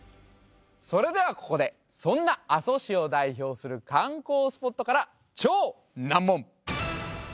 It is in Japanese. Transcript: それではここでそんな阿蘇市を代表する観光スポットから超難問